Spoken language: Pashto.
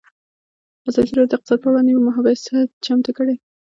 ازادي راډیو د اقتصاد پر وړاندې یوه مباحثه چمتو کړې.